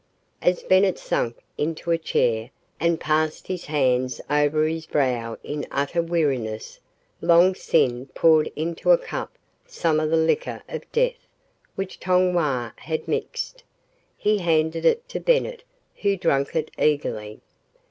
As Bennett sank into a chair and passed his hands over his brow in utter weariness, Long Sin poured into a cup some of the liquor of death which Tong Wah had mixed. He handed it to Bennett, who drank it eagerly.